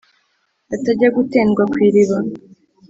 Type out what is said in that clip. atajya gutendwa ku iriba.